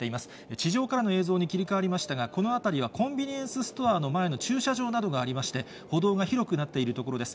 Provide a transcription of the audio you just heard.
地上からの映像に切り替わりましたが、この辺りはコンビニエンスストアの前の駐車場などがありまして、歩道が広くなっている所です。